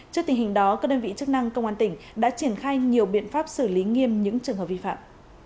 trước tình hình đó các đơn vị chức năng công an tỉnh đã triển khai nhiều biện pháp xử lý nghiêm những trường hợp vi phạm